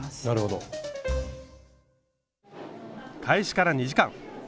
開始から２時間。